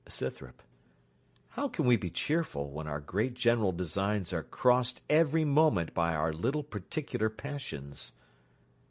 SCYTHROP How can we be cheerful when our great general designs are crossed every moment by our little particular passions?